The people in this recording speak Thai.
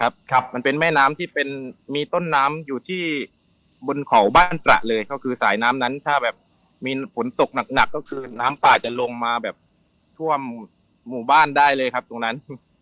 ครับมันเป็นแม่น้ำที่เป็นมีต้นน้ำอยู่ที่บนเขาบ้านตระเลยก็คือสายน้ำนั้นถ้าแบบมีฝนตกหนักหนักก็คือน้ำป่าจะลงมาแบบท่วมหมู่บ้านได้เลยครับตรงนั้น